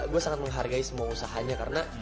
gue sangat menghargai semua usahanya karena